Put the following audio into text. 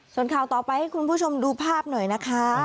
ส่วนข่าวต่อไปให้คุณผู้ชมดูภาพหน่อยนะคะ